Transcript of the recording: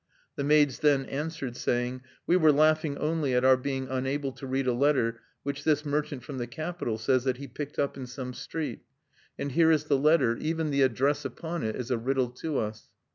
The maids then answered, saying: "We were laughing only at our being unable to read a letter which this merchant from the capital says that he picked up in some street. And here is the letter: even the address upon it is a riddle to us."